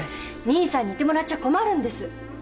兄さんに居てもらっちゃ困るんです。